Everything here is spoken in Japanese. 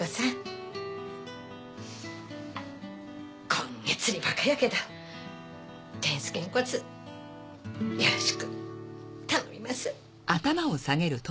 こんげ釣りバカやけど伝助んこつよろしく頼みます。